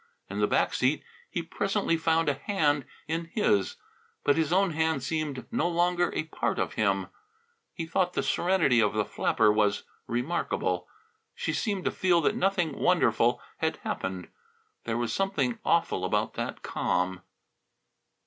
In the back seat he presently found a hand in his, but his own hand seemed no longer a part of him. He thought the serenity of the flapper was remarkable. She seemed to feel that nothing wonderful had happened. There was something awful about that calm.